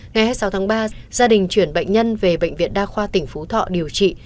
ngày hai mươi sáu tháng ba gia đình chuyển bệnh nhân về bệnh viện đa khoa tỉnh phú thọ điều trị